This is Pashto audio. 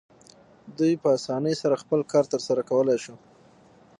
دوی په اسانۍ سره خپل کار ترسره کولی شو.